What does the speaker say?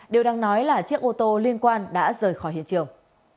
điều đang nói là chiếc ô tô liên quan đã rời khỏi hiện trường